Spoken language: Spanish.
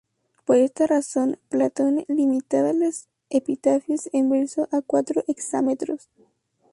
Por esta razón Platón limitaba los epitafios en verso a cuatro hexámetros.